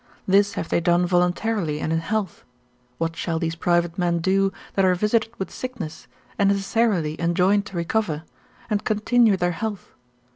This have they done voluntarily and in health; what shall these private men do that are visited with sickness, and necessarily enjoined to recover, and continue their health?